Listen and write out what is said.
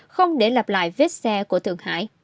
không để lặp lại vết xe của thượng hải